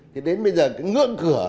thì đến bây giờ cái ngưỡng cửa